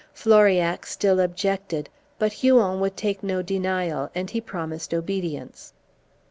Floriac still objected, but Huon would take no denial, and he promised obedience.